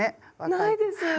ないです。